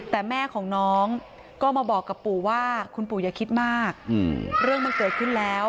แต่แม่ของน้องก็มาบอกกับปู่ว่าคุณปู่อย่าคิดมากเรื่องมันเกิดขึ้นแล้ว